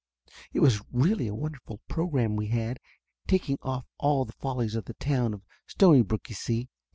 It was really a wonderful program we had, taking off all the follies of the town of Stonybrook, you see.